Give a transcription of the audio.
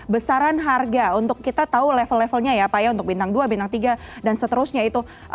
besaran harga untuk kita tahu level levelnya ya pak ya untuk bintang dua bintang tiga dan seterusnya itu